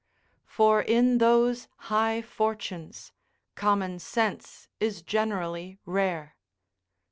["For in those high fortunes, common sense is generally rare."